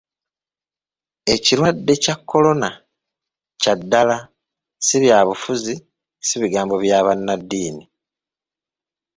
Ekirwadde kya korona kya ddala, si byabufuzi, si bigambo bya bannaddiini .